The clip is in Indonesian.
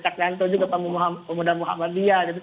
cak nanto juga pemuda muhammadiyah